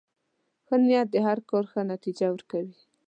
ښه نیت د هر کار ښه نتیجه ورکوي.